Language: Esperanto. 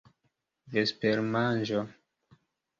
vespermanĝo